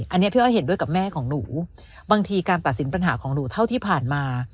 อันนี้พี่อ้อยเห็นด้วยกับแม่ของหนูบางทีการตัดสินปัญหาของหนูเท่าที่ผ่านมา